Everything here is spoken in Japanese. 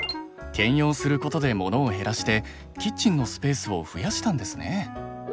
兼用することでモノを減らしてキッチンのスペースを増やしたんですね。